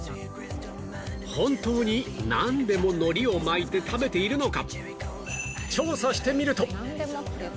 本当になんでも海苔を巻いて食べているのか？